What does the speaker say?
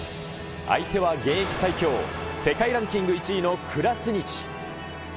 相手は現役最強、世界ランキング１位のクラスニチ。